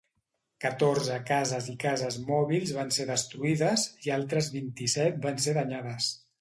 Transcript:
Catorze cases i cases mòbils van ser destruïdes, i altres vint-i-set van ser danyades.